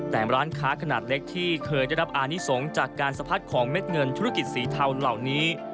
แต่ร้านค้าขนาดเล็กที่เคยได้รับอานิสงฆ์จากการสะพัดของเม็ดเงินธุรกิจสีเทาเหล่านี้